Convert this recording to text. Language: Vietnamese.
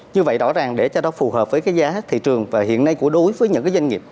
như vậy rõ ràng để cho nó phù hợp với cái giá thị trường và hiện nay của đối với những cái doanh nghiệp